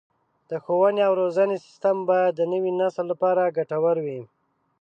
د ښوونې او روزنې سیستم باید د نوي نسل لپاره ګټور وي.